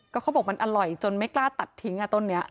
ก็เขาบอกมันอร่อยจนไม่กล้าตัดทิ้งอ่ะต้นนี้